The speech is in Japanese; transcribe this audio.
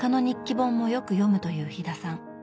本もよく読むという飛田さん。